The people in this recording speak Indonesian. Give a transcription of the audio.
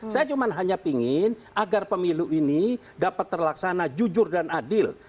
saya cuma hanya ingin agar pemilu ini dapat terlaksana jujur dan adil